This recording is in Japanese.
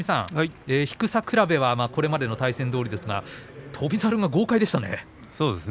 低さ比べは、これまでの対戦どおりですが翔猿が豪快でしたね。